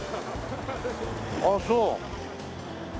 ああそう。